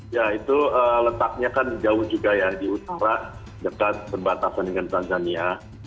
ya itu letaknya kan jauh juga ya di utara dekat perbatasan dengan tanzania